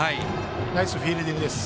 ナイスフィールディングです。